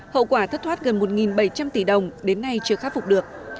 hậu quả thất thoát gần một bảy trăm linh tỷ đồng đến nay chưa khắc phục được